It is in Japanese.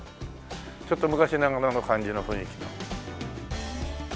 ちょっと昔ながらの感じの雰囲気の。